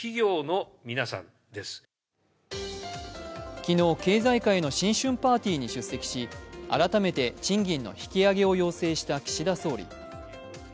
昨日、経済界の新春パーティーに出席し、改めて賃金の引き上げを要請した岸田総理。